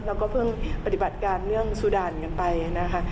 เราก็เพิ่งปฏิบัติการเรื่องสุด่านกันไปนะคะ